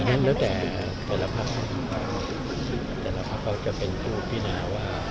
อันนั้นแล้วแต่แต่ละภาพแต่ละภาพเขาจะเป็นตู้ที่น่าว่า